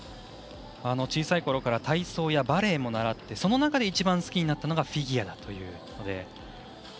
小さいころから体操やバレエも習ってその中で一番好きになったのがフィギュアだということで。